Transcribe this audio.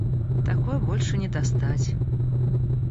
Такой больше не достать.